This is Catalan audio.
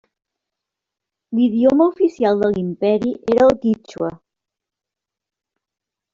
L'idioma oficial de l'imperi era el quítxua.